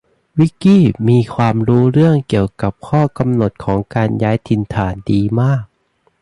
วิคกี้มีความรู้เรื่องเกี่ยวกับข้อกำหนดของการย้ายถิ่นฐานดีมาก